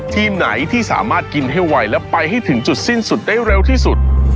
ทีมไหนที่สามารถกินให้ไวและไปให้ถึงจุดสิ้นสุดได้เร็วที่สุด